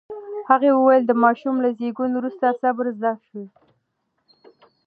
هغې وویل، د ماشوم له زېږون وروسته صبر زده شوی.